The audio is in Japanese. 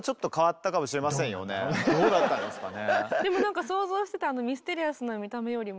どうだったんですかね。